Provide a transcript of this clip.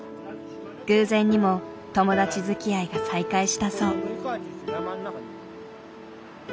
偶然にも友達づきあいが再開したそう。